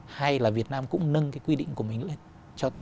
hay là việt nam cũng nâng cái quy định của mình